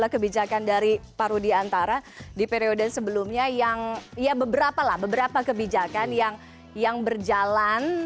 kebijakan dari paru di antara di periode sebelumnya yang beberapa kebijakan yang berjalan